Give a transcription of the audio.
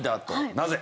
なぜ？